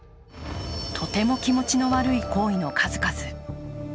とても気持ちの悪い行為の数々。